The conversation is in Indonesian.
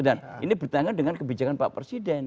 dan ini bertentangan dengan kebijakan pak presiden